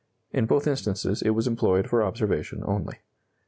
In both instances it was employed for observation only.